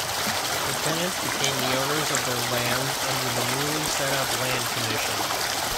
The tenants became the owners of their lands under the newly set-up Land Commission.